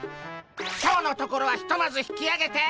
今日のところはひとまず引きあげて。